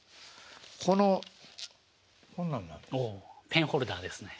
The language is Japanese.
ペンホルダーですね。